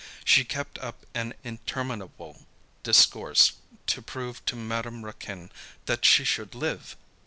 She kept up an interminable discourse to prove to Madame Raquin that she should live.